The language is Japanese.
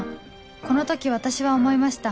この時私は思いました